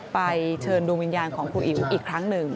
เชิญดวงวิญญาณของครูอิ๋วอีกครั้งหนึ่ง